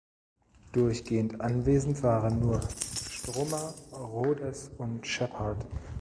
Durchgehend anwesend waren nur Strummer, Rhodes und Sheppard.